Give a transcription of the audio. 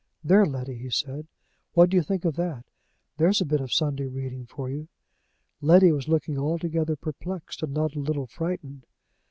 "There, Letty," he said, "what do you think of that? There's a bit of Sunday reading for you!" Letty was looking altogether perplexed, and not a little frightened.